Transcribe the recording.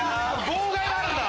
妨害があるんだ。